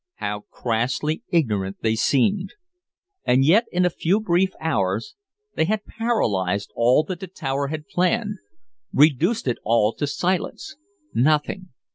How crassly ignorant they seemed. And yet in a few brief hours they had paralyzed all that the tower had planned, reduced it all to silence, nothing.